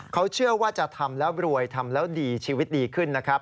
เขาเชื่อว่าจะทำแล้วรวยทำแล้วดีชีวิตดีขึ้นนะครับ